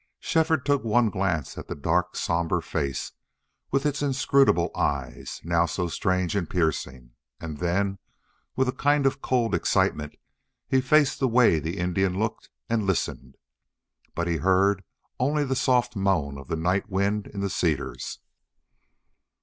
Shefford took one glance at the dark, somber face, with its inscrutable eyes, now so strange and piercing, and then, with a kind of cold excitement, he faced the way the Indian looked, and listened. But he heard only the soft moan of the night wind in the cedars.